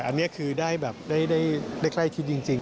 อันนี้คือได้ใกล้คิดจริง